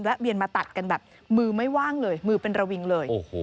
และเบียนมาตัดกันมึงไม่ว่างเลยมือเป็นละวิงเลย